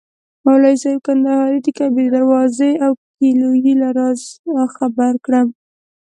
مولوي صاحب کندهاري د کعبې د دروازې او کیلیو له رازه خبر کړم.